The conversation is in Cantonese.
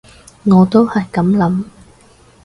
我都係噉諗